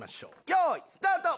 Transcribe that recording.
よいスタート！